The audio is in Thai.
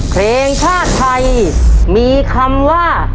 เพลงชาติไทยมีคำว่า